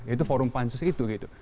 itu forum pansus itu gitu